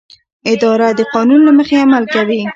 اداره د قانون له مخې عمل کوي.